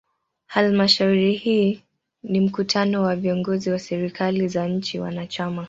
Halmashauri hii ni mkutano wa viongozi wa serikali za nchi wanachama.